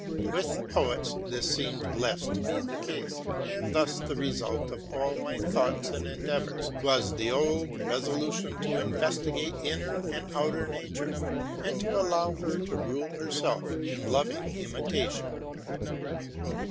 With the poets this seemed less to be the case; and thus the result of all my thoughts and endeavors was the old resolution to investigate inner and outer nature, and to allow her to rule herself in loving imitation.